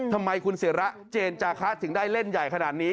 ทำไมคุณศิระเจนจาคะถึงได้เล่นใหญ่ขนาดนี้